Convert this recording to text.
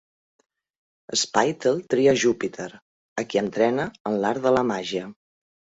Spittle tria Júpiter, a qui entrena en l'art de la màgia.